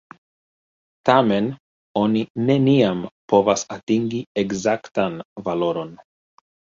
Tamen, oni neniam povas atingi ekzaktan valoron.